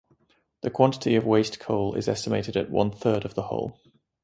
The quantity of waste coal is estimated at one third of the whole.